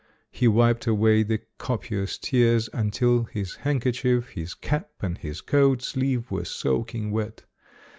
He wiped away the copious tears until his handkerchief, his cap and his coat sleeve were soaking wet.